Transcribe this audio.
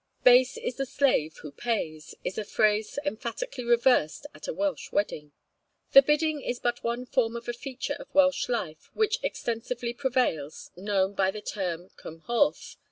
'Base is the slave who pays' is a phrase emphatically reversed at a Welsh wedding. [Illustration: THE OLD TIME GWAHODDWR.] The Bidding is but one form of a feature of Welsh life which extensively prevails, known by the term Cymmhorth.